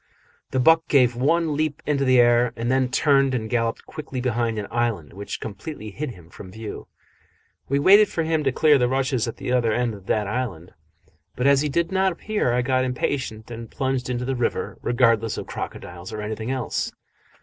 The buck gave one leap into the air, and then turned and galloped quickly behind an island which completely hid him from view. We waited for him to clear the rushes at the other end of this island, but as he did not appear I got impatient and plunged into the river, regardless of crocodiles or anything else.